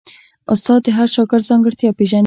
استاد د هر شاګرد ځانګړتیا پېژني.